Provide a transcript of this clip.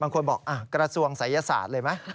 บางคนบอกกระทรวงศัยศาสตร์เลยไหม